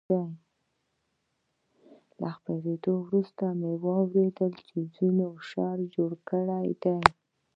له خپرېدو وروسته مې واورېدل چې ځینو شر جوړ کړی دی.